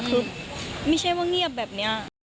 คือไม่ใช่ว่าเงียบแบบนี้